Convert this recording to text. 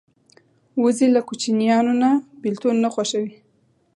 وزې له کوچنیانو نه بېلتون نه خوښوي